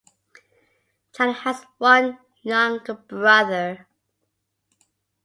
Jana has one younger brother.